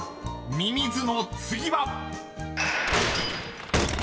［「ミミズ」の次は］